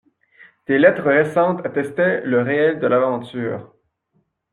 Des lettres récentes attestaient le réel de l'aventure.